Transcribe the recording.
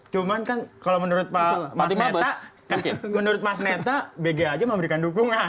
cuma kan kalau menurut pak neta bg saja memberikan dukungan